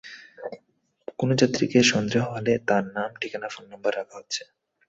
কোনো যাত্রীকে সন্দেহ হলে তাঁর নাম, ঠিকানা, ফোন নম্বর রাখা হচ্ছে।